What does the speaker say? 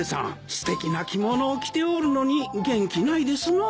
すてきな着物を着ておるのに元気ないですなあ。